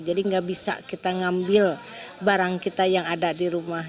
jadi nggak bisa kita ngambil barang kita yang ada di rumah